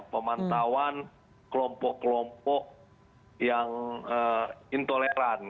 pemantauan kelompok kelompok yang intoleran